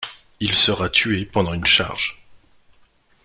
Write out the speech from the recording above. Il sera tué pendant une charge.